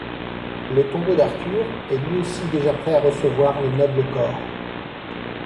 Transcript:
Le tombeau d’Arthur est lui aussi déjà prêt à recevoir le noble corps.